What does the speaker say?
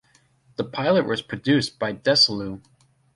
The pilot was produced by Desilu.